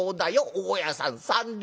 大家さん三両。